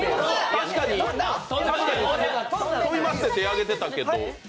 確かに跳びますって手、上げてたけど。